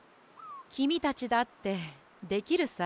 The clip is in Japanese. きみたちだってできるさ。